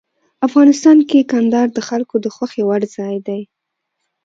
افغانستان کې کندهار د خلکو د خوښې وړ ځای دی.